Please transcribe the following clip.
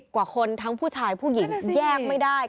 กว่าคนทั้งผู้ชายผู้หญิงแยกไม่ได้